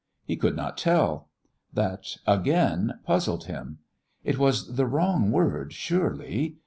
He could not tell. That "again" puzzled him. It was the wrong word surely....